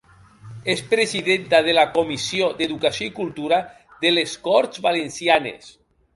És presidenta de la Comissió d'Educació i Cultura de les Corts Valencianes.